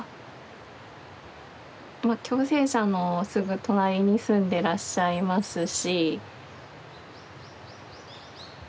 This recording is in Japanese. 共生舎のすぐ隣に住んでらっしゃいますし。